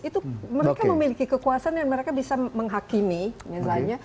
itu mereka memiliki kekuasaan yang mereka bisa menghakimi misalnya